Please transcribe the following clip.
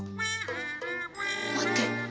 待って！